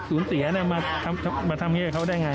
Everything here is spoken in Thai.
สูญเสียสูญเสียน่ะมามาจะมาทำเงี้ยกับเขาได้ไงอ่ะ